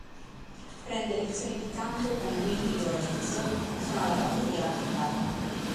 Prende lezioni di canto con Willie Lorenzo, suona la batteria e la chitarra.